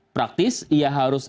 praktis ia harus